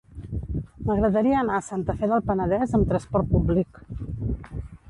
M'agradaria anar a Santa Fe del Penedès amb trasport públic.